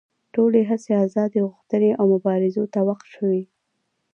ټولې هڅې ازادي غوښتنې او مبارزو ته وقف شوې.